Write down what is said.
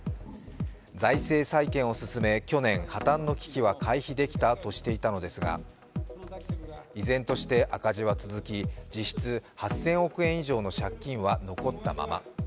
財政再建を進め、去年破綻の危機は回避できたとしていたのですが、依然として赤字は続き、実質８０００億円以上の借金は残ったまま。